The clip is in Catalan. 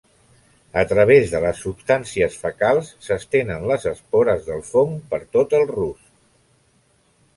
A través de les substàncies fecals s'estenen les espores del fong per tot el rusc.